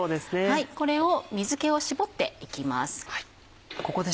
これを水気を絞っていきます。